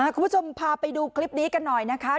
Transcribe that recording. คุณผู้ชมพาไปดูคลิปนี้กันหน่อยนะคะ